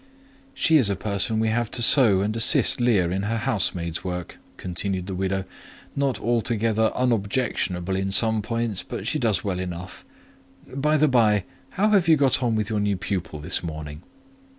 "She is a person we have to sew and assist Leah in her housemaid's work," continued the widow; "not altogether unobjectionable in some points, but she does well enough. By the bye, how have you got on with your new pupil this morning?"